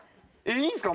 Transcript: いいんすか？